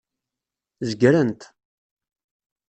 Zegren-t.